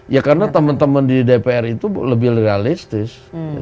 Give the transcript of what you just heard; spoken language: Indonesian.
ya karena teman teman di dpr itu lebih realistis